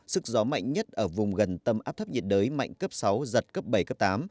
sức gió mạnh nhất ở vùng gần tâm áp thấp nhiệt đới mạnh cấp sáu giật cấp bảy cấp tám